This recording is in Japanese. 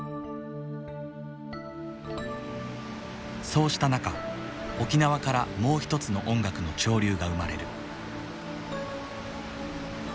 そうした中沖縄からもう一つの音楽の潮流が生まれる。